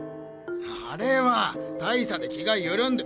あれは大差で気が緩んで。